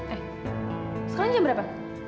eh sekarang jam berapa